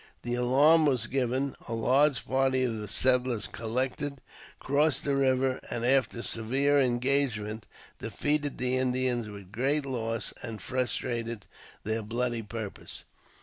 The alarm was given ; a large party of the settlers collected, crossed the river, and after a severe engagement defeated the Indians with great loss, and frustrated their bloody purposes.